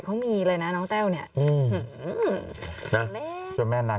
ปันธิสาปันอ๋อปันธิสา